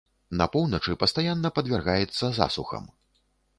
На поўначы пастаянна падвяргаецца засухам.